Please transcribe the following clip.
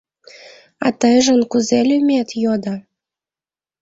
— А тыйжын кузе лӱмет? — йодо.